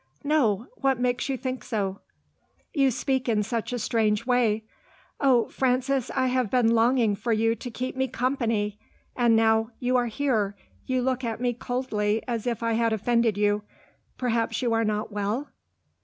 "No. What makes you think so?" "You speak in such a strange way. Oh, Frances, I have been longing for you to keep me company! And now you are here, you look at me as coldly as if I had offended you. Perhaps you are not well?"